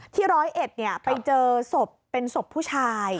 ที่๑๐๑ไปเจอศพเป็นศพผู้ชาย